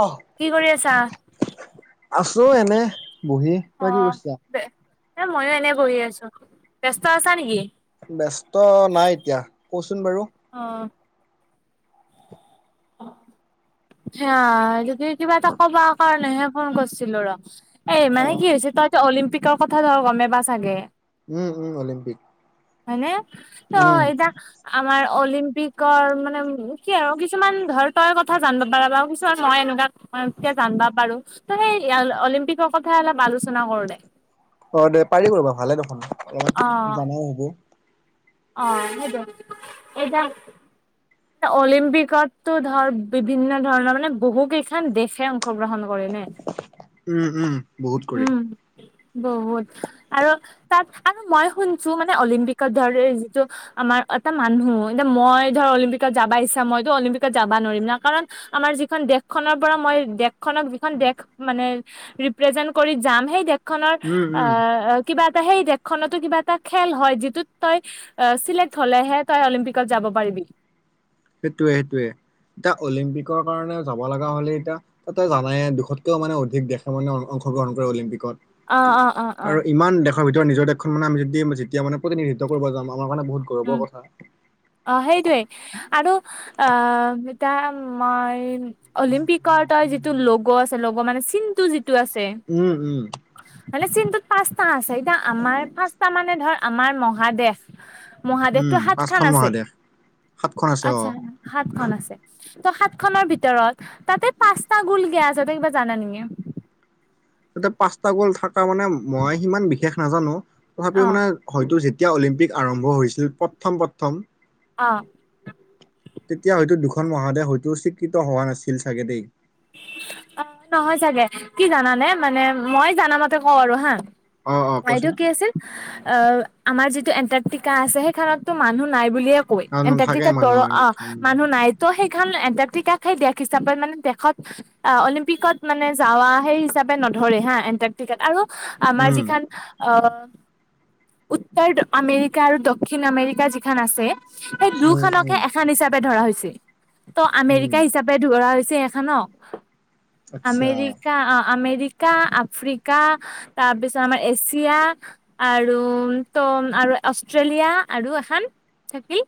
অ'। কি কৰি আছা? আছো এনে বহি। অ, তই কি কৰিছা? ব এ ময়ো এনে বহি আছো। ব্যস্ত আছা নেকি? ব্যস্ত নাই এতিয়া কচোন বাৰু। অ'। সেয়া যদি কি'বা এটা ক'বা কাৰণে হে ফোন কৰিছিলো ৰহ এই অ মানে কি হৈছে তই অলিম্পিকৰ কথা ধৰ গমে বা চাগে। উম, উম, অলিম্পিক। হয়নে ত উম এটা আমাৰ অলিম্পিকৰ মানে কি আৰু কিছুমান ধৰ তই কথা জানিব পাৰ বা কিছুমান মই এনেকুৱা মইয়া জানবা পাৰো ত সেই অলিম্পিকৰ কথা অলপ আলোচনা কৰো দে। অ, দে পাৰি ৰ'বা ভালে দেখোন অল অ', জানাও হ'ব। অ, সেইটো এইতা অলিম্পিকতো ধৰ বিভিন্ন ধৰণৰ মানে বহু কেইখন দেশে অংশগ্ৰহণ কৰেনে, উম উম বহুত কৰি উম। বহুত আৰু তাত আৰু মই শুনছো মানে অলিম্পিকৰ দৰে। য। আমাৰ এটা মানুহ এতিয়া মই ধৰ অলিম্পিকত যাব ইচ্ছা মইতো অলিম্পিকত যাব নোৱাৰিম ন কাৰণ আমাৰ যিখন দেশখনৰ পৰা মই দেশ। খনক যিখন দেশ মানে ৰিপ্ৰেজেন্ কৰি যাম সেই দেশখনৰ উম উম কিবা এটা সেই দেশখনতো কিবা এটা খেল হয় যিটোত তই অ, চিলেক্ট হ'লেহে তই অলিম্পিকত যাব পাৰিবি। সেইটোৱে, সেইটোৱে এতিয়া অলিম্পিকৰ কাৰণে যাব লগা হ'লে এতিয়া তই জানাইে দুশতকেও মানে অধিক দেশে মানে অংশগ্ৰহণ কৰে অ অলিম্পিকত। অ অ অ আৰু ইমান দেশৰ ভিতৰত নিজৰ দেশখন মানে আমি যদি যেতিয়া মানে প্ৰতিনিধিত্ব কৰিব যাওঁ আমাৰ কাৰণে বহুত উম গৌৰৱৰ কথা। অ, সেইটোৱেই আৰু অ, এতা মই অলিম্পিক কৰ তই যিটো লগ আছে লগ মানে চিনটো যিটো আছে। উম উম মানে চিনটোত পাঁচটা আছে এতিয়া আমাৰ পাঁচটা মানে ধৰ আমাৰ মহাদেশ মহাদেশটো উম সাত খন পাঁচখন আছে, মহাদেশ সাতখন আছে অ আচ্ছা সাত খন আছে। ত' সাত খনৰ ভিতৰত তাতে পাঁচটা গোল কে আছে তই কিবা জানা নেকি? তাতে পাঁচটা গ'ল থকা মানে মই সিমান বিশেষ নাজানো। তথাপিও অ মানে হয়তো যেতিয়া অলিম্পিক আৰম্ভ হৈছিল প্ৰথম প্ৰথম অ'। তেতিয়া হয়তো দুখন মহাদেশ হয়তো স্বীকৃত হোৱা নাছিল চাগে দেই। অ' নহয় চাগে, কি জানানে মানে মই জানামতে কওঁ আৰু হা অ' এইটো কি আছিল? অ' আমাৰ যিটো এন্টাৰ্কটিকা আছে সেইখনতো মানুহ নাই বুলিয়ে অ [unintelligible] নাথাকে এণ্টাৰ্কটিকা দৰ মানুহ অ উম মানুহ নাই। ত' সেইখন এণ্টাৰ্কটিকাকহে দেশ হিচাপে মানে দেশত, আ অলিম্পিকত মানে যাৱা। সেই হিচাপে নধৰে, হা এন্টাৰ্কটিকাত। আৰু আমাৰ যিখন অ'। উত্তৰ আমেৰিকা আৰু দক্ষিণ আমেৰিকা যিখন আছে সেই উম দু-খনকহে উম এখন হিচাপে ধৰা হৈছি। ত' উম আমেৰিকা হিচা - পে ধৰা হৈছে হেখনক। আচ্ছা আমেৰিকা অ' আমেৰিকা -ৰিকা, আফ্ৰিকা তাৰপিছত আমাৰ এছিয়া আৰু ত' আৰু অষ্ট্ৰেলিয়া আৰু এখন থাকিল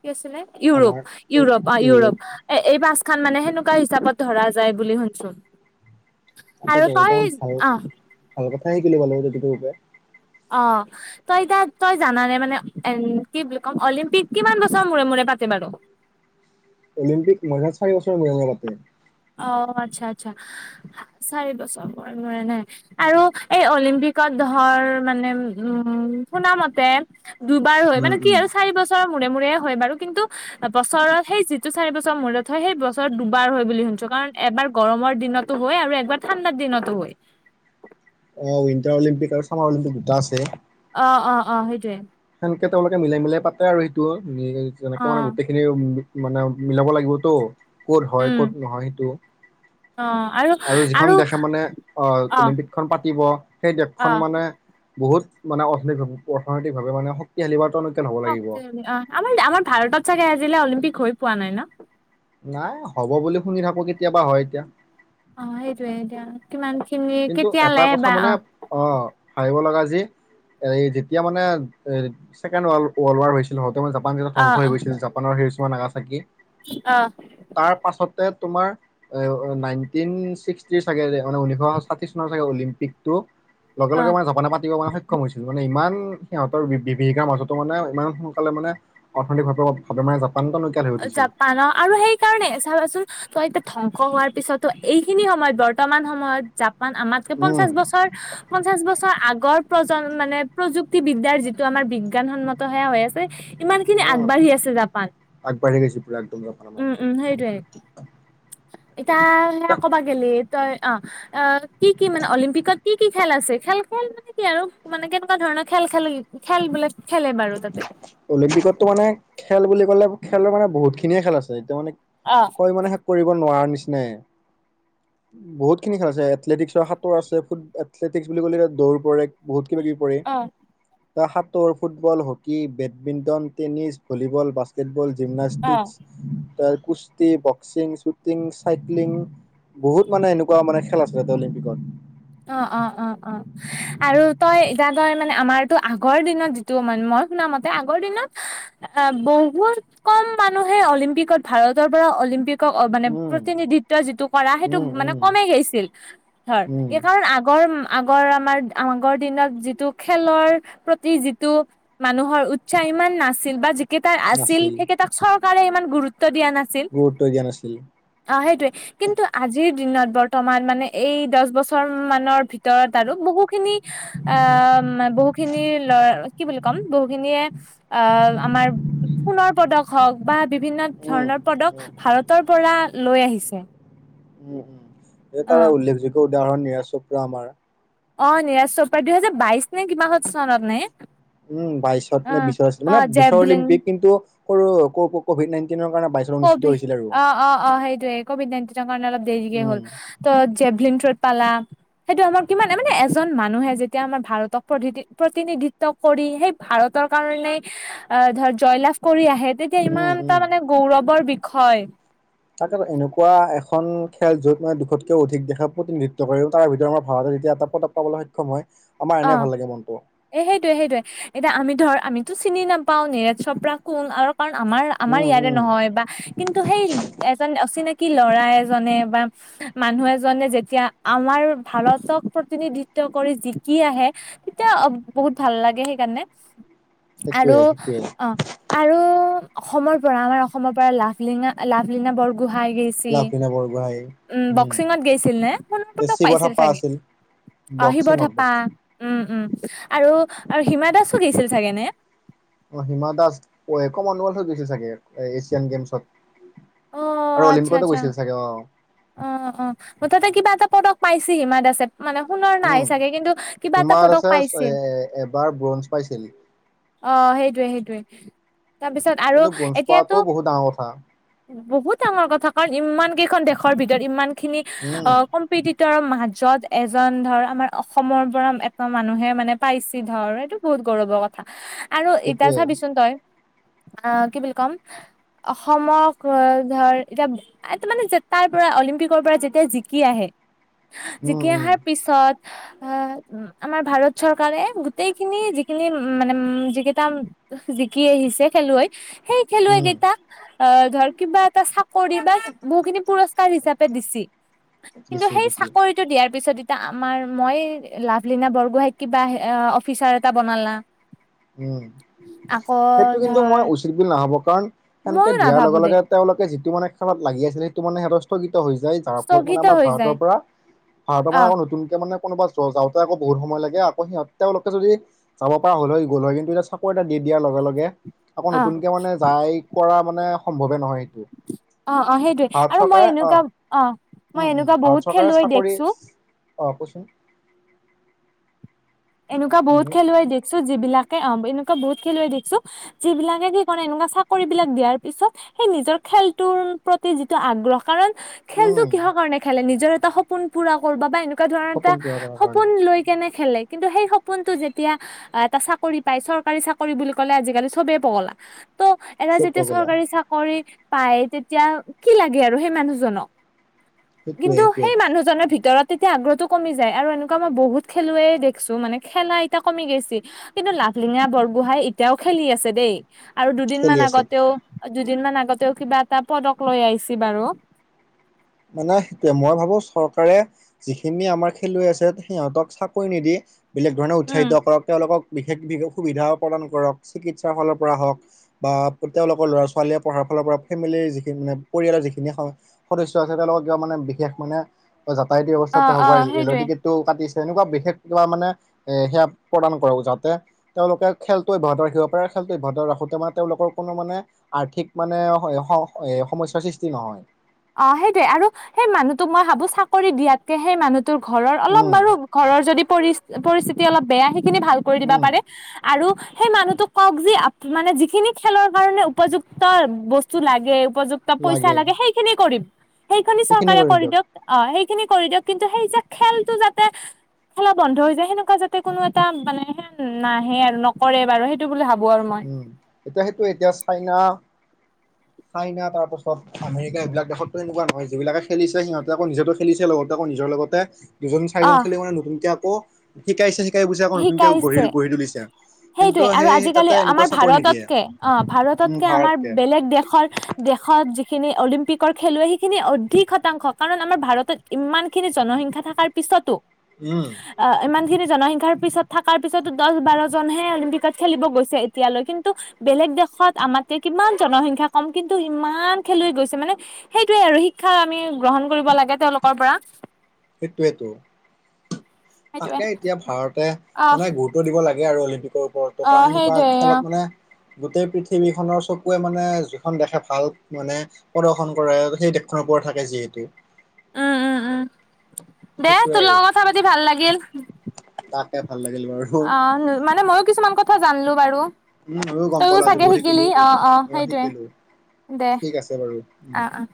কি আছিলে? আমাৰ ইউৰোপ। ইউৰোপ, ইউৰোপ এই পাছখান মানে হেনেকু - ৱা হিচাপত ধৰা যায় বুলি শুনচোং। তাকেতো আৰু একদম তই ভাল আহ ভাল কথা শিকি লবা লাগে [unintelligible] ওপৰত। অ'হ। তই ইতা, তই জানানে মানে এম কি বুলি কম, অলিম্পিক কিমান বছৰ মূৰে -মূৰে পাতে বাৰু? অলিম্পিক মানে চাৰি বছৰ মূৰে- মূৰে পাতে। অ'। আচ্ছা। আচ্ছা। চাৰি বছৰ মূৰে -মূৰে নে? আৰু এই অলিম্পিকত ধৰ মানে উম, শুনামতে দুবাৰ হয়। উম মানে কি উম আৰু, চাৰি বছৰৰ মূৰে- মূৰে হয় বাৰু কিন্তু বছৰত সেইযিটো চাৰি বছৰ মূৰত হয়, সেই বছৰত দুবাৰ হয় বুলি শুনছো -কাৰণ এবাৰ গৰমৰ দিনতো হয়। আৰু একবাৰ ঠাণ্ডাৰ দিনতো হয়। অ' উইণ্টাৰ অলিম্পিক আৰু ছামাৰ অলিম্পিক, দুটা আছে। অ 'হ। অ'হ। অ'হ সেইটোয়ে। সেনেকে তেওঁলোকে মিলাই মিলাই পাতে আৰু সেইটোৱ। যেনেকে অ মানে গোটেই খিনি মানে মিলাব লাগিবতো। ক'ত হয়, উম ক'ত নহয়। সেইটো। আৰু যিখন দেশে মানে আহ অ অলিম্পিকখন পাতিব, সেই অ দেশখন মানে বহুত মানে অৰ্থনৈতি- অৰ্থনৈতিকভাৱে মানে শ -ক্তিশালী বা তনকিয়াল হ'ব লাগিব শক্তিশালী। অ'। আমাৰ ভাৰতত চাগে আজিলৈ অলিম্পিক হৈ পোৱা নাই ন? নাই, হ'ব বুলি শুনি থাকো। কেতিয়াবা হয়, এতিয়া। অ' সেইটোয়ে এতিয়া, কিমান খিনি কিন্তু এটা কেতিয়ালে কথা বা? মানে অ' অ' হাৰিব লগা যি, এই যেতিয়া মানে ছেকেণ্ড ৱৰ্লড ৱাৰ হৈছিল। হওতে মই জাপান যেতিয়া অ ধংস হৈ গৈছিল। জাপানৰ হিৰোছিমা- নাগাচাকি অ'হ। তাৰ পাছতে তোমাৰ, এ নাইনটিন ছিক্সটিৰ চাগে যে মানে [unintelligible] পাকিস্তানৰ চাগে অলিম্পিকটো। লগে অ লগে মানে জাপানে পাতিব পৰা স সক্ষম হৈছিল। মানে ইমান সিহঁতৰ বি- বিভীষিকাৰ মাজতো মানে ইমান সোনকালে মানে অৰ্থনৈতিকভাবেও মানে [unintelligible] জাপান হৈ উঠিছিল জাপানৰ। আৰু সেইকাৰণে চাবাচোন ত' এতিয়া ধ্বংস হোৱাৰ পিছতো, এইখিনি সময়ত বৰ্তমান সময়ত জাপান আমাত -কে উম পঞ্চাশ বছৰ পঞ্চাশ বছৰ আগৰ প্ৰজম মানে প্ৰযুক্তিবিদ্যাৰ যিটো আমাৰ বিজ্ঞানসন্মতহে হৈ আছে ইমান খিনি আগবাঢ়ি আছে জাপান। আগাঢ়ি গৈছে পুৰা একদম জাপান। উম, আমাতকে উম, সেইটোয়ে এতিয়া সেয়া এ ক'বা গলি তই অ' অ 'কি, কি মানে অলিম্পিকত কি, কি খেল আছে খেলখন কি কি আৰু মানে কেনেকুৱা ধৰণৰ খেল খেল খেল বোলে খেলে বাৰু তাতে। অলিম্পিকতো মানে খেল বুলি ক'লে খেলৰ মানে বহুত খিনিয়ে খেল আছে। এতিয়া মানে অ' পৰিমাণে শেষ কৰিব নোৱাৰা নিচিনাই। বহুত খিনি খেল আছে। এথলেটিক্ছৰ হাতৰ আছে ফুট এথলেটিক বুলি ক'লে দৌৰ পৰে বহুত কিবা কিবি। অ সাঁতৰ, football, hockey, badminton, tennis, volleyball, basketball, অ জিমনাষ্টিক, তাৰ কুস্তি, বক্সিং, শ্বুটিং, চাইক্লিং। বহুত মানে এনেকুৱা মানে খেল আছিলে ত' অলিম্পিকত। অ' অ' অ' অ'। আৰু তই এতিয়া তই মানে আমাৰতো আগৰ দিনত যিটো মানে মই শুনামতে আগৰ দিনত অ' বহুত কম মানুহে অলিম্পিকত ভাৰতৰ পৰা অলিম্পিক মানে উম প্ৰতিনিধিত্ব যিটো কৰা সেইটো উম মানে উম কমেই গৈছিল ধৰ উম এই আগৰ আগৰ আমাৰ আগৰ দিনত যিটো খেলৰ প্ৰতি যিটো মানুহৰ উৎসাহ ইমান নাছিল বা যিকেইটাৰ আছিল নাছিল সেইকেইটাক চৰকাৰে ইমান গুৰুত্ব দিয়া নাছিল। গুৰুত্ব দিয়া নাছিল। অ' সেইটোৱে কিন্তু আজিৰ দিনত বৰ্তমান মানে এই দহ বছৰ মানৰ ভিতৰত। ভিতৰত আৰু বহুখিনি আহ বহু খিনি ল'ৰা কি বুলি কম বহুখিনিয়ে। অ' আমাৰ সোণৰ পদক। হওঁক বা বিভিন্ন উম ধৰণৰ পদক উম ভাৰতৰ পৰা লৈ আহিছে। উম, অ এটাৰ উল্লেখযোগ্য উদাহৰণ নিৰাজ চোপ্ৰ আমাৰ অ' নিৰাজ চৌপৰা দুহেজা বাইশ নে কিমাহত চনত নে উম, বাইছত অ নে বিশৰ আছিল মানে অ বিশৰ জেভলিন অলিম্পিক কিন্তু সৰু কভিড নাইনটিনৰ কাৰণে বাইচত। কঅভি অ' অ' অ' সেইটোৱে কবিঅড নাইনটিন কাৰণে অলপ দেৰিকে উম হ'ল। ত' জেভলিন থৰট পালা। সেইটো আমাৰ কিমান মানে এজন মানুহে যেতিয়া আমাৰ ভাৰতক প্ৰতি প্ৰতিনিধিত্ব। কৰি সেই ভাৰতৰ কাৰণে আহ ধৰ জয়লাভ কৰি আহে তে এতিয়া উম ইমানটা উম মানে গৌৰৱৰ বিষয় তাক এনেকুৱা এখন খেল য'ত মানে দুশতকৈও অধিক দেশে প্ৰতিনিধিত্ব কৰি তাৰ ভিতৰত আমাৰ ভাৰত এতিয়া এটা পদক পাবলৈ সক্ষম হয় আমাৰ এনে অ'। ভাল লাগে মনতটো। এ সেইটোৱে সেইটোৱে এতিয়া আমি ধৰ আমিতো চিনি নাপাওঁ নিৰজ চৌপৰা কোন আৰু কাৰণ আমাৰ আমাৰ উম ইয়াৰে উম নহয় বা কিন্তু সেই এজন অচিনাকি ল'ৰা এজনে বা মানুহ এজনে যেতিয়া আমাৰ ভাৰতক প্ৰতিনিধিত্ব কৰি জিকি কি আহে তেতিয়া বহুত ভাল লাগে সেইকাৰণে আৰু সেইটোয়ে সেইটোয়ে অ' আৰু অসমৰ পৰা আমাৰ অসমৰ পৰা লাভলীনা লাভলীনা বৰগোহাঁই গোহাঁই গৈছিল লাভলীনা বৰগোহাঁই উম, বক্সিঙত গৈছিল, নে সোণ পদক পাইছিল চাগে। বক্সিং তাৰপা উম, উম, আৰু আৰু হিমা দাসো গেইছিল চাগে নে? অ' হিমা দাস অ' এক মনোল হৈ গৈছে চাগে এছিয়ান গেমছত। অ' আৰু আচ্ছা, অলিম্পিকতো আচ্ছা। গৈছিল চাগে অ অ' অ' মুঠতে কিবা এটা পদক পাইছে হিমা দাসে। মানে সোণৰ নাই উম চাগে কিন্তু কিবা এটা হিমা পদক দাসে এ পাইছিল। এবাৰ ব্ৰঞ্জ পাইছিল অ' সেইটোৱেই সেইটোৱে তাৰপিছত আৰু কিন্তু ব্ৰঞ্জ এতিয়াতো। পোৱাটো বহুত ডাঙৰ কথা। বহুত ডাঙৰ কথা। কাৰণ ইমান কেইখন দেশৰ ভিতৰত ইমান খিনি উম অ' কম পীড়িতৰ মাজত এজন ধৰ আমাৰ অসমৰ পৰা এটা মানুহে মানে পাইছে ধৰ এইটো বহুত গৌৰৱৰ কথা। আৰু এতিয়া সেইটোৱে চাবিচোন তই আহ কি বুলি কম অসমৰ ধৰ এতিয়া মানে যে তাৰ পৰা অলিম্পিকৰ পৰা যেতিয়া জিকি আহে। উম জিকি উম অহাৰ পিছত আহ আমাৰ ভাৰত চৰকাৰে গোটেইখিনি যিখিনি মানে উ যিকেইটা জিকি আহিছে খেলুৱৈ, সেই খেলুৱৈ উম কেইটাক আহ ধৰ কিবা এটা চাকৰি বা বহুখিনি পুৰস্কাৰ হিচাপে দিছ কিন্তু দিছে সেই দিছে চৰি টো দিয়াৰ পিছত এতিয়া আমাৰ মই লাভলীনা বৰগোহাইই কিবা অফিচাৰ এটা বনালা উম আকৌ ধৰ নহ'ব কাৰণ সেনেকে ময়ো দিয়াৰ নাভাবো লগে, দেই লগে তেওঁলোকে যিটো মানে খেলত লাগি আছিলে সেইটো মানে হে স্থগিত হৈ যায়। তাৰ ফলত মানে স্থগিত আমাৰ হৈ যায় ভাৰতৰ পৰা ভাৰতৰ মানে অ আকৌ নতুনকে মানে কোনোবা যাওঁতে আকৌ বহুত সময় লাগে আকৌ সিহঁত তেওঁলোকে যদি যাব পৰা হ'লে গ'ল হয় কিন্তু এতিয়া চাকৰি এটা দি দিয়াৰ লগে লগে আকৌ অ নতুনকে মানে যাই। কৰা মানে সম্ভৱে নহয় এইটো। অ অ সেইটোৱে ভাৰত আৰু মই চৰকাৰে এনেকুৱা আহ অ মই উম, উ, এনেকুৱা ভাৰত বহুত চৰকাৰে খেলুৱৈ চাকৰি দেখছো অ, কওচোনন? এনেকুৱা বহুত খেলুৱৈ দেখিছো যিবিলাকে অ, এনেকুৱা বহুত খেলুৱৈ দেখছো। য, বিলাকে কি কৰে এনেকুৱা চাকৰি বিলাক দিয়াৰ পিছত সেই নিজৰ খেলটোৰ প্ৰতি যিটো আগ্ৰহ কাৰণ খেলতটো উম কিহৰ কাৰণে খেলে নিজৰ এটা সপোন পুৰা কৰ বা এনেকুৱা এনেকুৱা ধৰণ এটা সপোন পুৰা কৰাৰ কাৰণে সপোন লৈ কেনে খেলে কিন্তু সেই সপোনটো যেতিয়া এটা চাকৰি পাই চৰকাৰী চাকৰি বুলি কলে আজিকালি চবেই পগলা ত এটা চব যেতিয়া কৈ গ'লা চৰকাৰী চাকৰি পায় তেতিয়া কি লাগে আৰু সেই মানুহজনক। সেইটোৱে কিন্তু সেইটোৱে সেই মানুহজনৰ ভিতৰত তেতিয়া আগ্ৰহটো কমি যায় আৰু এনেকুৱা মই বহুত খেলুৱে দেখ দেছো মানে খেলা এতিয়া কমি গৈছে কিন্তু লাভলিঙা বৰগোহাঁই এতিয়াও খেলি আছে দেই। আৰু দুদিন খেলি মান আছে আগতেও, দুদিনমান আগতেও কিবা এটা পদক লৈ আহিছ বাৰু। মানে সেইটোয়ে মই ভাবো চৰকাৰে। যিখিনি আমাৰ খেলুৱৈ আছে সিহঁতক চাকৰি নিদি বেলেগ ধৰণে উম উৎসাহিত কৰক তেওঁলোকক বিশেষ, বিশষ সুবিধাও প্ৰদান কৰক চিকিৎসাৰ ফালৰ পৰা হওক। বা তেওঁলোকৰ ল'ৰা-ছোৱালীয়ে পঢ়াৰ ফালৰ পৰা ফেমিলিৰ যিখিনি মানে পৰিয়ালৰ যিখিনি হয়। তেওঁলোক ক মানে বিশেষ মানে যাতায়তা অ অৱস্থা হক অ বা ৰেলৰ সেইটোয়ে টিক টো কাটিছে এনেকুৱা বিশেষ কিবা মানে এ সেয়া প্ৰদান কৰক যাতে তেওঁলোকে খেলটো অভ্যাহত ৰাখিব পাৰে খেলটো অভ্যাহত ৰাখোতে মে তেওঁলোকৰ কোনো মানে আৰ্থিক মানে সমস্যয়াৰ সৃষ্টি নহয়। অ, সেইটোৱে আৰু সেই মানুহটোক মই ভাবো চাকৰি দিয়াতকে সেই মানুহটোৰ ঘৰৰ অলপ উম বাৰু ঘৰৰ যদি পৰি পৰিস্থিতি অলপ বেয়া সেইখিনি ভাল কৰি দিবা উম পাৰে। আৰু সেই মানুহটোক কওক যি মানে যিখিনি খেলৰ কাৰণে উপযুক্ত বস্তু লাগে উপযুক্ত পইচা লাগে, সেইখিনি কৰিম, সেইখিনি চৰকাৰে কৰি দিয়ক। অ, সেইখিনি কৰি দিয়ক কিন্তু সেই যে খেলতটো যাতে খেলা বন্ধ হৈ যায় সেনেকুৱা যাতে কোনো এটা মানে সে নাহে আৰু নকৰে বাৰু সেইটো বুলি ভাবো আৰু মই। এতিয়া সেইটো এতিয়া চাইনা হয়। চাইনা তাৰ পাছত আমেৰিকা এইবিলাক দেশতো এনেুৱাহয় যিবিলাক খেলিছে সিহঁতে আকৌ নিজেতো খেলিছে লগতে আকৌ নিজৰ লগতে দুজন, অ চাৰিজন খেলি মানে নতুনকে আকৌ শিকাইছে শিকাই বুজি আকৌ নতুনকৈ গঢ়ি, শিকাইছে গঢ়ি তুলিছে কিন্তু সেইটোৱে আৰু সেই আজিকালি তাতে এনেকুৱা আমাৰ চাকৰি নিদিয়ে ভাৰততকে অ, উম ভাৰততকে আমাৰ ভাৰতকে বেলেগ দেশৰ দেশত যিখিনি অলিম্পিকৰ খেলুৱৈ সেইখিনি অধিক শতাংশ কাৰণ আমাৰ ভাৰতত। ইমান খিনি জনসংখ্যা থকাৰ পিছতো। উম। অ, ইমান খিনি জনসংখ্যাৰ পিছত থকাৰ পিছতো দহ বাৰজনহে অলিম্পিকত খেলিব গৈছে এতিয়ালৈ কিন্তু বেলেগ দেশত আমাত কিমান জনসংখ্যা কম কিন্তু ইমান খেলুৱৈ গৈছে মানে। সেইটোয়ে আৰু শিক্ষা আমি গ্ৰহণ কৰিব লাগে তেওঁলোকৰ পৰা। সেইটোৱেতো। সেইটোয়ে তাকে এতিয়া ভাৰতে আহ মানে গুৰুত্ব দিব লাগে আৰু অলিম্পিকৰ। ত, অ কাৰণে এনেকুৱা সেইটোয়ে অ খেলত মানে গোটেই পৃথিৱীখনৰ চকুৱে মানে যিখন দেখে ভাল মানে। প্ৰদৰ্শন কৰে সেই দেশখনৰ পৰাৰত থাকে যিহেতু। উম, উম, উম, দে সেইটোৱে তোৰ আৰু লগৰ কথা পাতি ভাল লাগিল। তাকে ভাল লাগিল বাৰু। অ, মানে মইও কিছুমান কথা জানলো বাৰু। উম ময়ো গম তইও পালো আজি চাগে বহুত শিকিলি শিকিলো তোৰ অ', অ', পৰা সেইটোয়ে শিকিলো দে ঠিক আছে বাৰু উম অ', অ'।